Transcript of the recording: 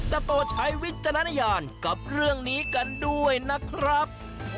แต่โปรดใช้วิจารณญาณกับเรื่องนี้กันด้วยนะครับ